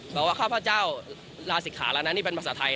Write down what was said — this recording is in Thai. บอกว่าข้าพเจ้าลาศิกขาแล้วนะนี่เป็นภาษาไทย